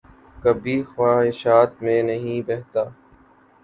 کبھی خواہشات میں نہیں بہتا